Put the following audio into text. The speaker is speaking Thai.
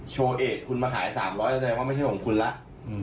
โชว์เอกคุณมาขาย๓๐๐แสดงว่าไม่ใช่ของคุณแล้ว